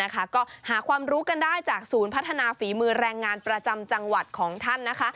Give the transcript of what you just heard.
ก็หาความรู้กันได้จากศูนย์พัฒนาฝีมือแรงงานประจำจังหวัดของท่านนะคะ